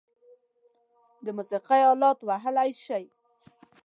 د موسیقۍ آلات وهلی شئ؟